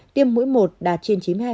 tiêm mũi một đạt trên chín mươi hai